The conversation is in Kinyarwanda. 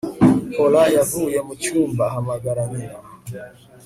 paula yavuye mu cyumba ahamagara nyina